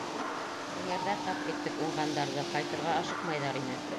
Эңерҙә тап иттек уңғандарҙы, ҡайтырға ашыҡмайҙар ине.